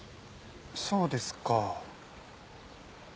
そうですか。